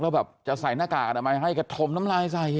แล้วแบบจะใส่หน้ากากอนามัยให้ก็ถมน้ำลายใส่